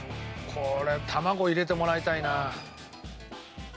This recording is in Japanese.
これ卵入れてもらいたいな。